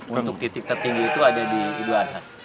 untuk titik tertinggi itu ada di idul adha